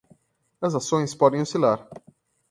As ações podem oscilar